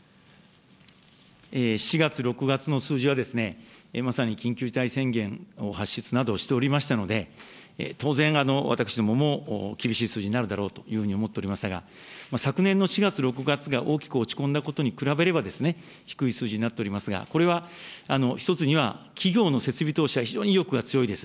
４月、６月の数字はまさに緊急事態宣言の発出などをしておりましたので、当然、私どもも厳しい数字になるだろうというふうに思っておりましたが、昨年の４月、６月が大きく落ち込んだことに比べれば、低い数字になっておりますが、これは一つには企業の設備投資は非常に意欲が強いです。